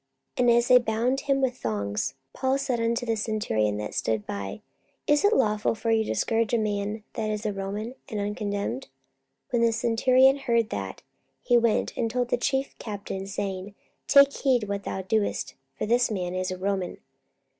44:022:025 And as they bound him with thongs, Paul said unto the centurion that stood by, Is it lawful for you to scourge a man that is a Roman, and uncondemned? 44:022:026 When the centurion heard that, he went and told the chief captain, saying, Take heed what thou doest: for this man is a Roman.